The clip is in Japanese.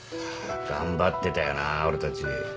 頑張ってたよな俺たち